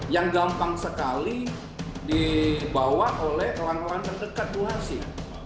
yang gampang sekali dibawa oleh orang orang terdekat bu hasim